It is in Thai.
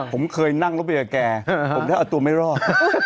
ผมเคยนั่งรถเบลดกาแกฮึผมได้เอาตัวไม่รอบ